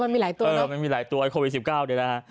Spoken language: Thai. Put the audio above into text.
มันมีหลายตัวนะ